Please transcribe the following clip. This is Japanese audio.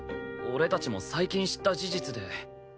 俺たちも最近知った事実で。